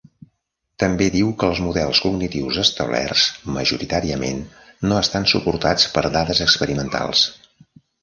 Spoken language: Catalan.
També diu que els models cognitius establerts majoritàriament no estan suportats per dades experimentals.